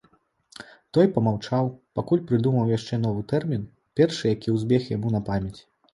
Той памаўчаў, пакуль прыдумаў яшчэ новы тэрмін, першы, які ўзбег яму на памяць.